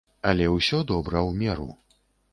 Але ўсё добра ў меру.